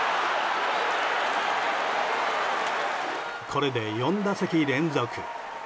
これで４打席連続。